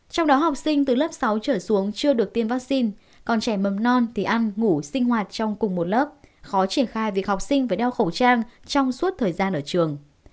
trong đó học sinh từ lớp sáu trở xuống chưa được tiêm vaccine còn trẻ mầm non thì ăn ngủ sinh hoạt trong cùng một lớp khó triển khai việc học sinh phải đeo khẩu trang trong suốt thời gian ở trường